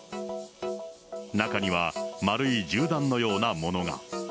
中には丸い銃弾のようなものが。